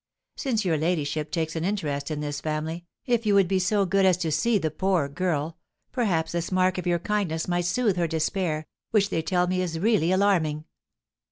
Since your ladyship takes an interest in this family, if you would be so good as to see the poor girl, perhaps this mark of your kindness might soothe her despair, which they tell me is really alarming."